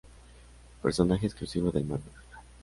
Personaje exclusivo del manga.